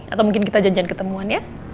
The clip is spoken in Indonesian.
atau mungkin kita janjian ketemuan ya